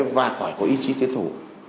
và khỏi có ý chí tiến thủ